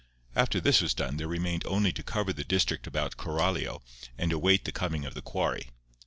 After this was done there remained only to cover the district about Coralio and await the coming of the quarry.